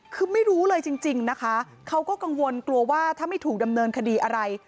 คือไม่รู้เลยจริงนะคะเขาก็กังวลกลัวว่าถ้าไม่ถูกดำเนินคดีอะไร